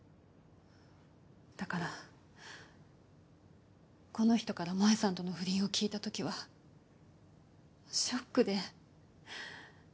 だからこの人から萌さんとの不倫を聞いたときはショックで。